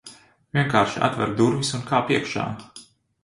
Vienkārši atver durvis, un kāp iekšā.